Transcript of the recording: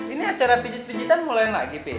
ini acara pijit pijitan mulai lagi deh